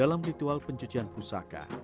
dalam ritual pencucian pusaka